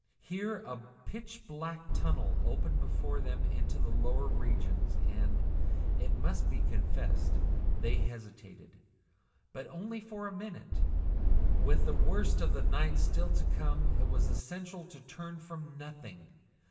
Here a pitch black tunnel opened before them into the lower regions, and it must be confessed they hesitated. But only for a minute. With the worst of the night still to come it was essential to turn from nothing.